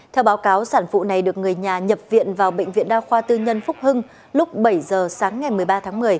theo báo cáo sản phụ này được người nhà nhập viện vào bệnh viện đa khoa tư nhân phúc hưng lúc bảy giờ sáng ngày một mươi ba tháng một mươi